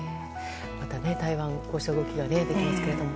また台湾のこうした動きが見られていますけども。